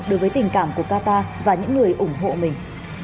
đối với tình cảm của qatar và những người ủng hộ mình